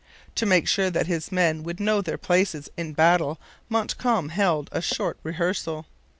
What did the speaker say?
To make sure that his men should know their places in battle Montcalm held a short rehearsal.